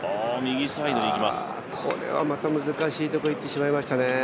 これはまた難しいところいってしまいましたね。